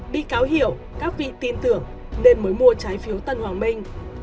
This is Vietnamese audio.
bị cáo hiểu các vị tin tưởng nên mới mua trái phiếu tân hoàng minh